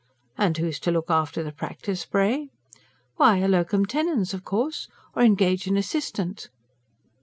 "And who's to look after the practice, pray?" "Why, a LOCUM TENENS, of course. Or engage an assistant."